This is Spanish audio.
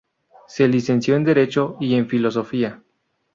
Se licenció en derecho y en filosofía.